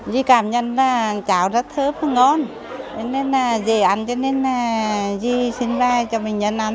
dì cảm nhận là cháo rất thơm và ngon dễ ăn cho nên dì xin bài cho bệnh nhân ăn